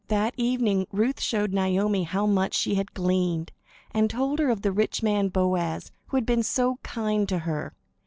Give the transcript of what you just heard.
That evening, Ruth showed Naomi how much she had gleaned, and told her of the rich man Boaz, who had been so kind to her.